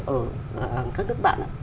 ở các nước bạn